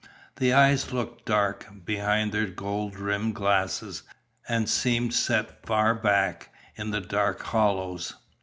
The eyes looked dark, behind their gold rimmed glasses, and seemed set far back, in dark hollows.